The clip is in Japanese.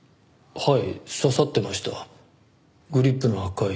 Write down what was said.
はい。